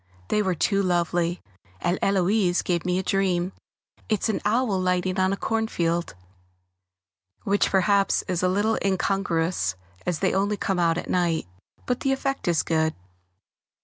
They were too lovely, and Héloise gave me a dream; it's an owl lighting on a cornfield, which perhaps is a little incongruous as they only come out at night, but the effect is good.